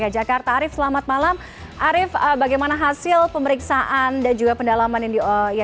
ya saat malam tiffany